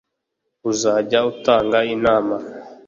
uzajya utanga inama